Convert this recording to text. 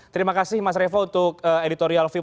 terima kasih mas revo untuk editorial view